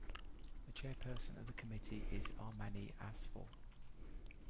The Chairperson of the Committee is Armany Asfour.